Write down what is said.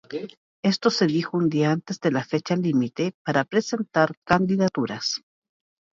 Esto se dijo un día antes de la fecha límite para presentar candidaturas.